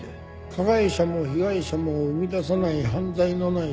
加害者も被害者も生みださない犯罪のない社会